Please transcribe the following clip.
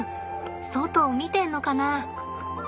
外を見てんのかな？